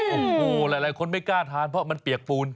โอ้โหหลายคนไม่กล้าทานเพราะมันเปียกปูน